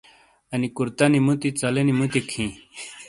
انی کُرتنی مُتی ژلینی مُتیک ہِیں۔